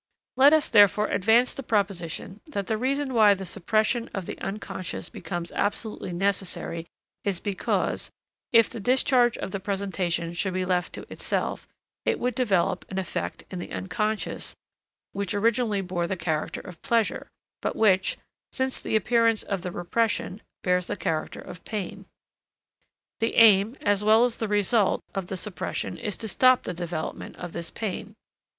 Let us therefore advance the proposition that the reason why the suppression of the unconscious becomes absolutely necessary is because, if the discharge of presentation should be left to itself, it would develop an affect in the Unc. which originally bore the character of pleasure, but which, since the appearance of the repression, bears the character of pain. The aim, as well as the result, of the suppression is to stop the development of this pain.